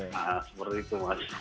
nah seperti itu mas